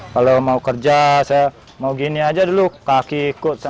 kalau mau kerja saya mau gini aja dulu kaki ikut